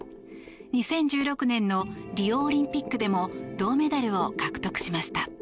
２０１６年のリオオリンピックでも銅メダルを獲得しました。